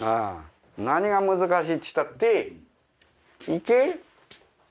何が難しいつったっていいけ？